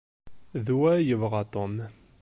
D wa ay yebɣa Tom.